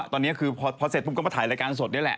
ตอนนี้คือพอเสร็จปุ๊บก็มาถ่ายรายการสดนี่แหละ